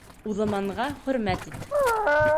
Уҙаманға хөрмәт ит.